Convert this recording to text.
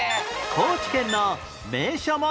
高知県の名所問題